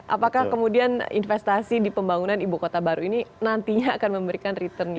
apakah kemudian investasi di pembangunan ibu kota baru ini nantinya akan memberikan return